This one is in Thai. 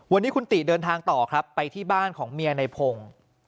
วันนี้คุณติเดินทางต่อครับไปที่บ้านของเมียในพงศ์